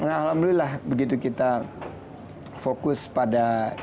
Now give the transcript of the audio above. alhamdulillah begitu kita fokus pada tiga isu